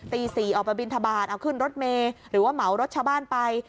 ตี๔ออกไปบินทบาทเอาขึ้นรถเมย์หรือว่าเหมารถชาวบ้านไป